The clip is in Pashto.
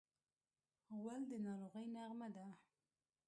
غول د ناروغۍ نغمه ده.